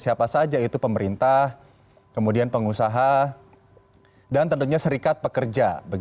siapa saja itu pemerintah kemudian pengusaha dan tentunya serikat pekerja